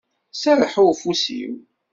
Serreḥ i ufus-iw.